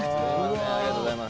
ありがとうございます。